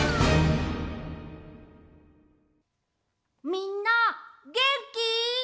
みんなげんき？